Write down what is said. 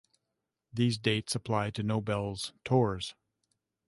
These dates apply to Noble's tours.